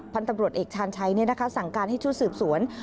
พันธุ์ตำรวจเอกชาญชัยสั่งการให้ชุดสืบสวน